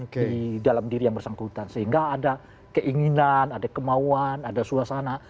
di dalam diri yang bersangkutan sehingga ada keinginan ada kemauan ada suasana